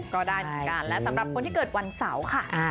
ก็ได้เหมือนกันและสำหรับคนที่เกิดวันเสาร์ค่ะ